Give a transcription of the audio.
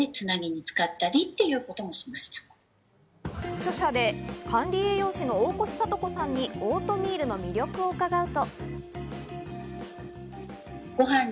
著者で管理栄養士の大越郷子さんにオートミールの魅力を伺うと。